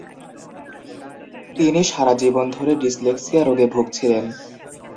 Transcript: তিনি সারা জীবন ধরে ডিসলেক্সিয়া রোগে ভুগছিলেন।